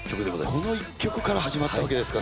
この一曲から始まったわけですか。